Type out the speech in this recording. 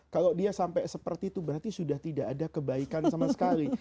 kalau dia sampai seperti itu berarti sudah tidak ada kebaikan sama sekali